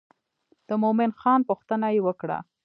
د مومن خان پوښتنه یې وکړه.